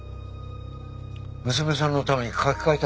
娘さんのために書き換えたんでしょ？